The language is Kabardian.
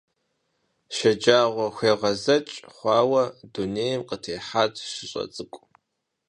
ШэджагъуэхуегъэзэкӀ хъуауэ дунейм къытехьат шыщӀэ цӀыкӀу.